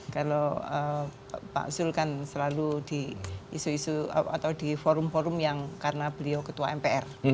kalau pak zul kan selalu di forum forum yang karena beliau ketua mpr